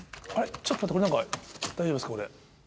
ちょっと待ってこれ何か大丈夫ですか？